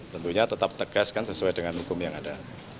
tentunya tetap tegas kan sesuai dengan hukum yang ada